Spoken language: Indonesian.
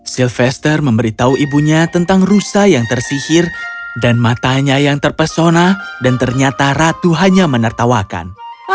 sylvester memberitahu ibunya tentang rusa yang tersihir dan matanya yang terpesona dan ternyata ratu hanya menertawakan